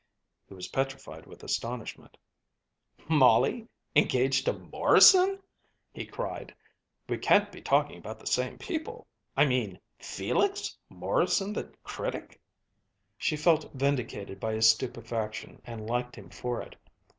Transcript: He was petrified with astonishment. "Molly engaged to Morrison!" he cried. "We can't be talking about the same people. I mean Felix Morrison the critic." She felt vindicated by his stupefaction and liked him for it.